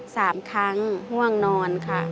สามครั้งง่วงนอนค่ะ